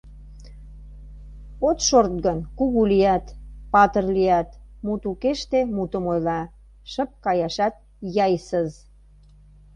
— От шорт гын, кугу лият, патыр лият, — мут укеште мутым ойла — шып каяшат яйсыз.